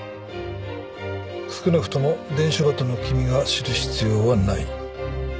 少なくとも伝書鳩の君が知る必要はない。